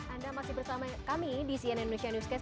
anda masih bersama kami di cnn indonesia newscast